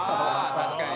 確かに。